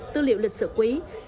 tư liệu lịch sử quý